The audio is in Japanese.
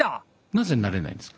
なぜなれないんですか？